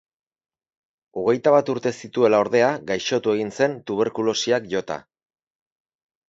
Hogeita bat urte zituela, ordea, gaixotu egin zen, tuberkulosiak jota.